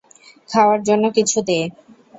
খাওয়ার জন্য কিছু দে?